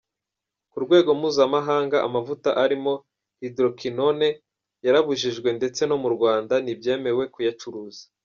Ku rwego mpuzamahanga, amavuta arimo Hydroquinone yarabujijwe ndetse no mu Rwanda ntibyemewe kuyacuruza.